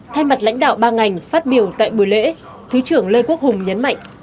thay mặt lãnh đạo ba ngành phát biểu tại buổi lễ thứ trưởng lê quốc hùng nhấn mạnh